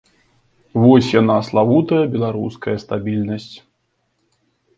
Вось яна, славутая беларуская стабільнасць!